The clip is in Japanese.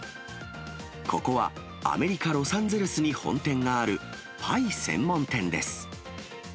ここはアメリカ・ロサンゼルスに本店がある、パイ専門店です。